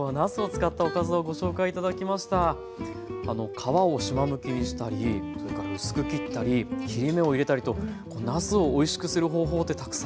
皮をしまむきにしたりそれから薄く切ったり切り目を入れたりとなすをおいしくする方法ってたくさんあるんですね。